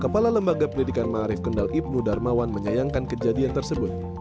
kepala lembaga pendidikan ⁇ maarif kendal ibnu darmawan menyayangkan kejadian tersebut